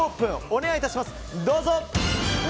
お願い致します。